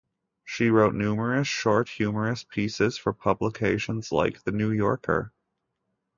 She wrote numerous short humorous pieces for publications like The New Yorker.